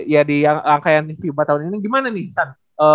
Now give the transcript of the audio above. ya di rangkaian fiba tahun ini gimana nih san